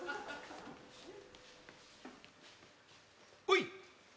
おい。